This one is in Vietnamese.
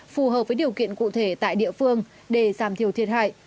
phù hợp với điều kiện cụ thể tại địa phương để giảm thiểu thiệt hại